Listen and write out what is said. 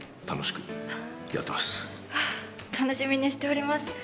楽しみにしております